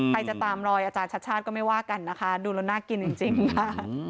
ใครจะตามรอยอาจารย์ชัดชาติก็ไม่ว่ากันนะคะดูแล้วน่ากินจริงค่ะ